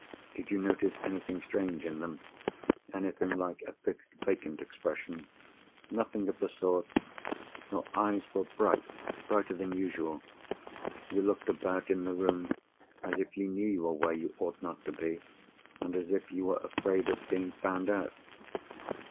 "Did you notice anything strange in them? Anything like a fixed, vacant expression?" "Nothing of the sort. Your eyes were bright—brighter than usual. You looked about in the room, as if you knew you were where you ought not to be, and as if you were afraid of being found out."